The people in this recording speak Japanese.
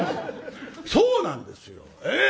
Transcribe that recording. そうなんですよええ！